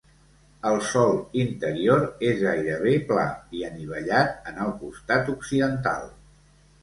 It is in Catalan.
El sòl interior és gairebé pla i anivellat en el costat occidental.